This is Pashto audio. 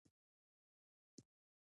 پکتیکا د افغانستان د صادراتو برخه ده.